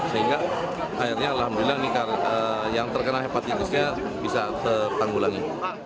sehingga akhirnya alhamdulillah yang terkena hepatitisnya bisa tertanggulangi